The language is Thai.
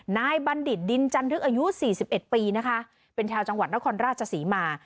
บัณฑิตดินจันทึกอายุ๔๑ปีนะคะเป็นชาวจังหวัดนครราชศรีมา